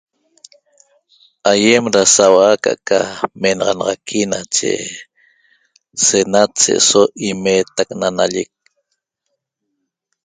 Aýem da sau'a aca'aca menaxanaxaqui nache senat se'eso imeetac na nallec